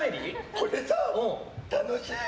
これさ、楽しい！